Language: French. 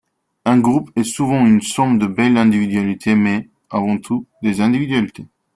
Un groupe est souvent une somme de belles individualités mais, avant tout, des individualités.